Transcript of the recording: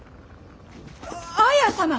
綾様！